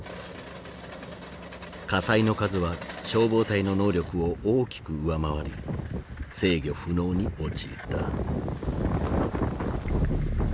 火災の数は消防隊の能力を大きく上回り制御不能に陥った。